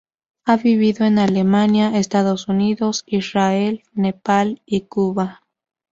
Ha vivido en Alemania, Estados Unidos, Israel, Nepal y Cuba.